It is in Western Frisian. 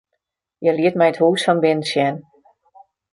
Hja liet my it hûs fan binnen sjen.